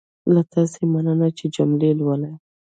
له تاسې مننه چې جملې لولئ.